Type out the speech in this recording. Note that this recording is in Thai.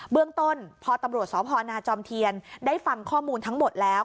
เรื่องต้นพอตำรวจสพนาจอมเทียนได้ฟังข้อมูลทั้งหมดแล้ว